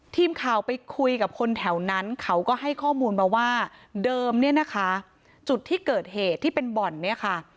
ทีมข่าวไปคุยกับคนแถวนั้นเขาก็ให้ข้อมูลมาว่าเดิมเนี่ยนะคะจุดที่เกิดเหตุที่เป็นบ่อนเนี่ยค่ะ